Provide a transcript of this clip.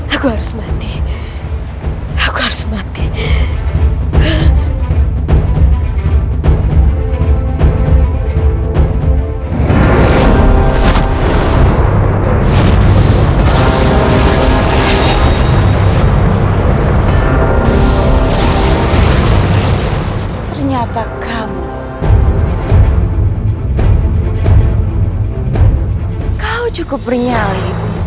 agar aku tidak menderita seperti ini